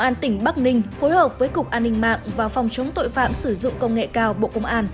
an tỉnh bắc ninh phối hợp với cục an ninh mạng và phòng chống tội phạm sử dụng công nghệ cao bộ